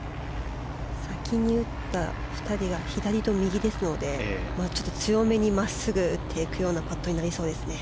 先に打った２人が左と右ですので強めに真っすぐ打っていくようなパットになりそうですね。